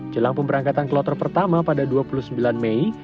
jelang pemberangkatan kloter pertama pada dua puluh sembilan mei